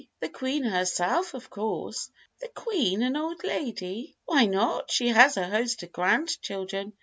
"The Queen herself, of course." "The Oueen an old lady?" "Why not? She has a host of grandchildren."